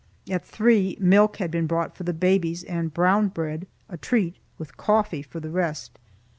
At three milk had been brought for the babies, and brown bread (a treat) with coffee for the rest.